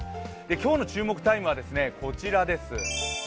今日の注目タイムはこちらです。